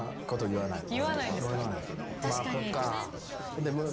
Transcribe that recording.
言わない。